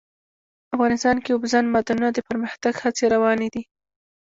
افغانستان کې د اوبزین معدنونه د پرمختګ هڅې روانې دي.